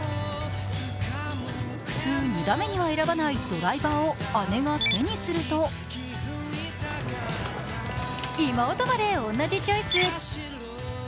普通、２打目には選ばないドライバーを姉が手にすると妹まで同じチョイス。